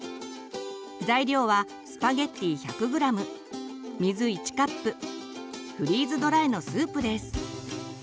材料はスパゲッティ１００ｇ水１カップフリーズドライのスープです。